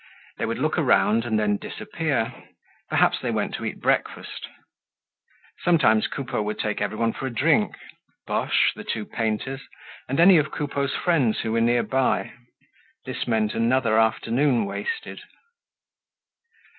They would look around and then disappear. Perhaps they went to eat breakfast. Sometimes Coupeau would take everyone for a drink—Boche, the two painters and any of Coupeau's friends who were nearby. This meant another afternoon wasted.